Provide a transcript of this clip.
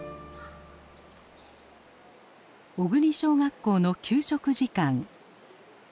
小国小学校の給食時間。